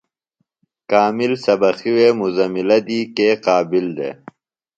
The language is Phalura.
کامل سبقیۡ وے مزملہ دی کے قابل دےۡ؟